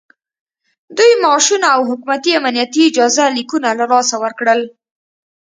دوی معاشونه او حکومتي امنیتي اجازه لیکونه له لاسه ورکړل